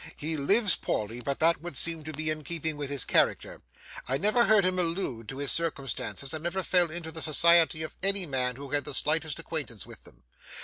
He lives poorly, but that would seem to be in keeping with his character. I never heard him allude to his circumstances, and never fell into the society of any man who had the slightest acquaintance with them.